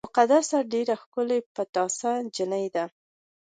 مقدسه ډېره ښکلې پټاسه جینۍ ده